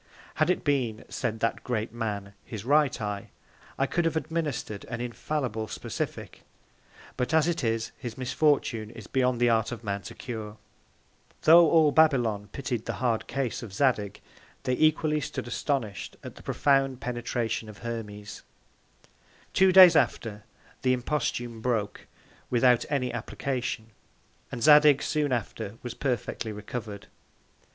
Had it been, said that Great Man, his right Eye, I could have administred an infallible Specific; but as it is, his Misfortune is beyond the Art of Man to cure. Tho' all Babylon pitied the hard Case of Zadig, they equally stood astonish'd at the profound Penetration of Hermes. Two Days after the Imposthume broke, without any Application, and Zadig soon after was perfectly recover'd.